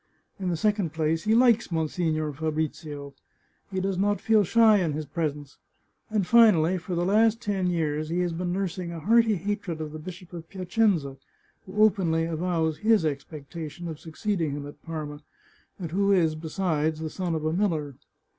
In the second place, he likes Monsignore Fa brizio. He does not feel shy in his presence. And, finally, for the last ten years he has been nursing a hearty hatred of the Bishop of Piacenza, who openly avows his expectation of succeeding him at Parma, and who is, besides, the son of a miller.